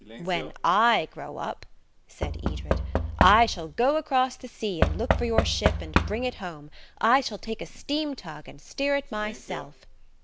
"When I grow up," said Edred, "I shall go across the sea and look for your ship and bring it home. I shall take a steam tug and steer it myself."